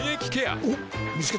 おっ見つけた。